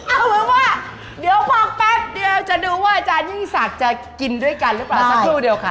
เอาเป็นว่าเดี๋ยวพอแป๊บเดียวจะดูว่าอาจารยิ่งศักดิ์จะกินด้วยกันหรือเปล่าสักครู่เดียวค่ะ